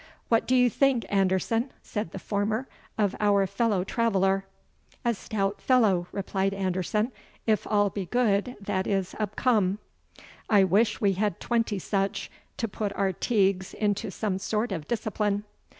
"What do you think, Anderson," said the former, "of our fellow traveller?" "A stout fellow," replied Anderson, "if all be good that is upcome. I wish we had twenty such, to put our Teagues into some sort of discipline."